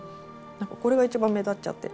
これが一番目立っちゃって。